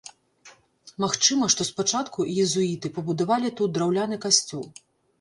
Магчыма, што спачатку езуіты пабудавалі тут драўляны касцёл.